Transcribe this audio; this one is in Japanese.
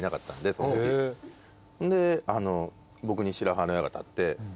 で僕に白羽の矢が立って。